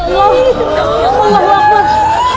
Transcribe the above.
ya allah ya allah